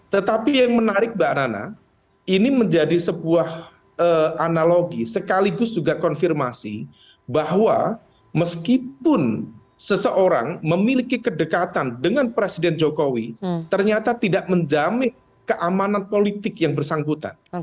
tetapi yang menarik mbak nana ini menjadi sebuah analogi sekaligus juga konfirmasi bahwa meskipun seseorang memiliki kedekatan dengan presiden jokowi ternyata tidak menjamin keamanan politik yang bersangkutan